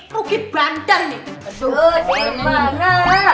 rukit bandar nih